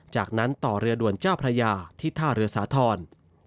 จากนั้นต่อเรือด่วนเจ้าพระยาที่ท่าเรือสาธรณ์